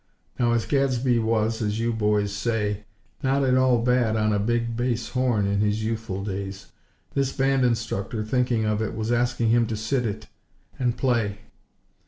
Now as Gadsby was, as you boys say, "not at all bad" on a big bass horn in his youthful days, this band instructor, thinking of it, was asking him to "sit it" and play.